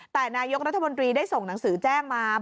แต่นายกรัฐมนตรีได้ส่งหนังสือแจ้งมา